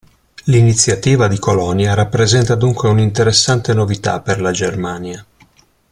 L'iniziativa di Colonia rappresenta dunque un'interessante novità per la Germania.